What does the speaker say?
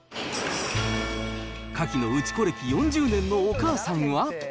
カキの打ち子歴４０年のお母さんは。